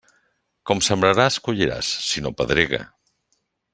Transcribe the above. Com sembraràs, colliràs, si no pedrega.